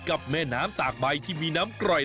วันนี้พาลงใต้สุดไปดูวิธีของชาวเล่น